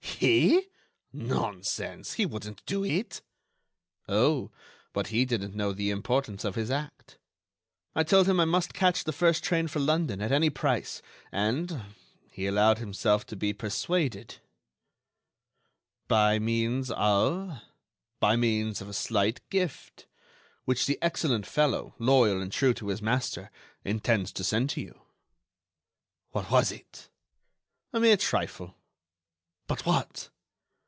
"He? Nonsense! He wouldn't do it." "Oh! but he didn't know the importance of his act. I told him I must catch the first train for London, at any price, and ... he allowed himself to be persuaded——" "By means of——" "By means of a slight gift, which the excellent fellow, loyal and true to his master, intends to send to you." "What was it?" "A mere trifle." "But what?"